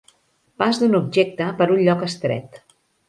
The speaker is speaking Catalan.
Pas d'un objecte per un lloc estret.